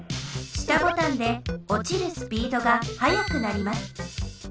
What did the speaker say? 下ボタンでおちるスピードがはやくなります。